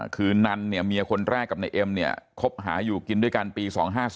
คือนันเนี่ยเมียคนแรกกับนายเอ็มเนี่ยคบหาอยู่กินด้วยกันปี๒๕๔